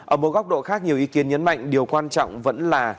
ở một góc độ khác nhiều ý kiến nhấn mạnh điều quan trọng vẫn là